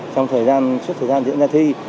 trong thời gian trước thời gian diễn ra thi